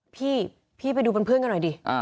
พี่พี่ไปดูเป็นเพื่อนกันหน่อยดิ